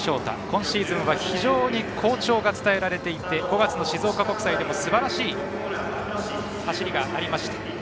今シーズンは非常に好調が伝えられていて５月の静岡国際でもすばらしい走りがありました。